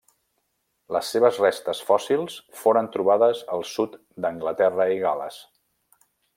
Les seves restes fòssils foren trobades al sud d'Anglaterra i Gal·les.